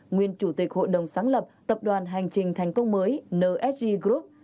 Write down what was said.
nguyên chủ tịch hội đồng sáng lập tập đoàn hành trình thành công mới nsg group